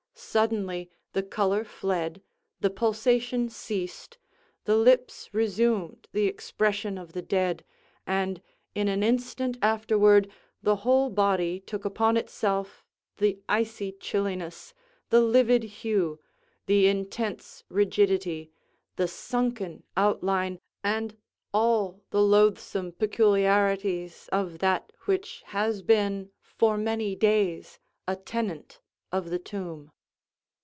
Suddenly, the color fled, the pulsation ceased, the lips resumed the expression of the dead, and, in an instant afterward, the whole body took upon itself the icy chilliness, the livid hue, the intense rigidity, the sunken outline, and all the loathsome peculiarities of that which has been, for many days, a tenant of the tomb.